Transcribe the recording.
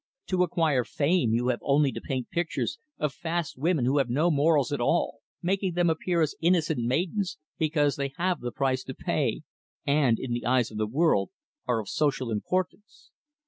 To acquire fame, you have only to paint pictures of fast women who have no morals at all making them appear as innocent maidens, because they have the price to pay, and, in the eyes of the world, are of social importance.